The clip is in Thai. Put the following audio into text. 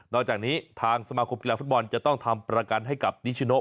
จากนี้ทางสมาคมกีฬาฟุตบอลจะต้องทำประกันให้กับนิชโน